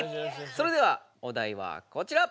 それではおだいはこちら！